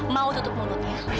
mau tutup mulutnya